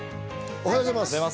おはようございます。